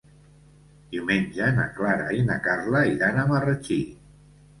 Diumenge na Clara i na Carla iran a Marratxí.